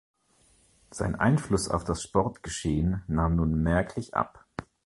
Sein Einfluss auf das Sportgeschehen nahm nun merklich ab.